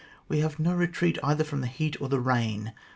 We have no retreat either from the heat or the rain.